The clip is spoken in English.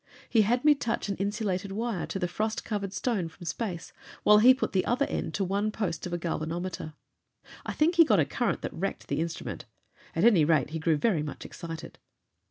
He had me touch an insulated wire to the frost covered stone from space, while he put the other end to one post of a galvanometer. I think he got a current that wrecked the instrument. At any rate, he grew very much excited.